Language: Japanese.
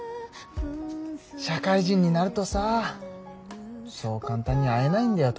社会人になるとさそう簡単に会えないんだよ